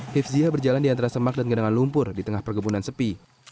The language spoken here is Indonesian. hifzia berjalan di antara semak dan gedangan lumpur di tengah pergebunan sepi